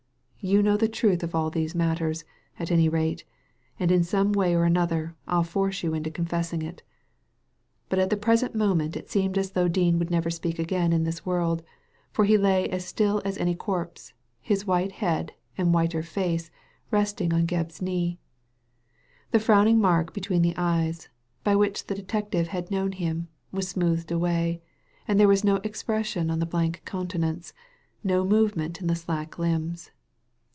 You know the truth of all these matters, at any rate ; and in some way or another I'll force you into confessing it" But at the present moment it seemed as though Digitized by Google FOUND AT LAST 215 Dean would never speak again in this worlds for he lay as still as any corpse, his white head and whiter face resting on Gebb's knee. The frowning mark between the eyes, by which the detective had known him, was smoothed away, and there was no ex pression on the blank countenance, no movement in the slack limbs.